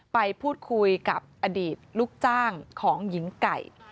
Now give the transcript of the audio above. ไปพูดคุยกับอดีตลูกจ้างของหญิงไก่